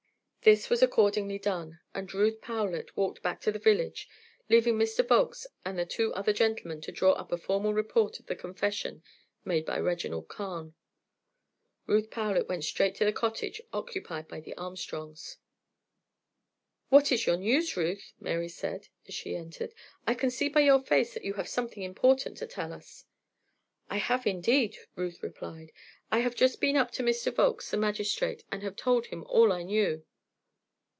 This was accordingly done, and Ruth Powlett walked back to the village, leaving Mr. Volkes and the two other gentlemen to draw up a formal report of the confession made by Reginald Carne. Ruth Powlett went straight to the cottage occupied by the Armstrongs. "What is your news, Ruth?" Mary said, as she entered. "I can see by your face that you have something important to tell us." "I have, indeed," Ruth replied. "I have just been up to Mr. Volkes, the magistrate, and have told him all I knew."